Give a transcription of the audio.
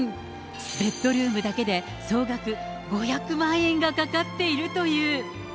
ベッドルームだけで総額５００万円がかかっているという。